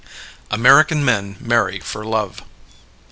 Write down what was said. American Men Marry for Love.